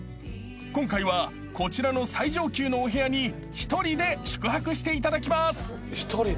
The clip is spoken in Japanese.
［今回はこちらの最上級のお部屋に１人で宿泊していただきます］